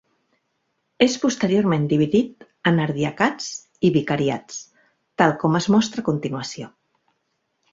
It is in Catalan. És posteriorment dividit en ardiacats i vicariats, tal com es mostra a continuació.